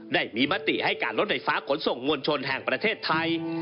ได้มีมติให้การรถไฟฟ้าขนส่งมวลชนแห่งประเทศไทย